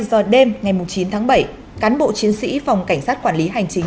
một mươi giờ đêm ngày chín tháng bảy cán bộ chiến sĩ phòng cảnh sát quản lý hành chính